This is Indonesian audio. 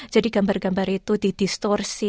jadi gambar gambar itu didistorsi